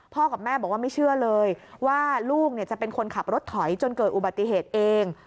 กับแม่บอกว่าไม่เชื่อเลยว่าลูกจะเป็นคนขับรถถอยจนเกิดอุบัติเหตุเอง